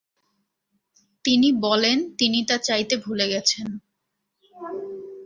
তিনি বলেন, তিনি তা চাইতে ভুলে গেছেন।